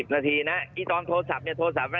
๑๐นาทีนะตอนโทรศัพท์เนี่ย